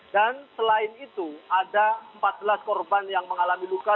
dan selain itu ada empat belas korban yang mengalami luka